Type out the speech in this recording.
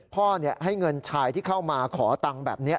ให้เงินชายที่เข้ามาขอตังค์แบบนี้